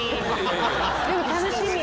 でも楽しみ！